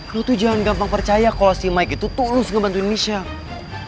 lu tuh jangan gampang percaya kalau si mike itu tulus ngebantuin michelle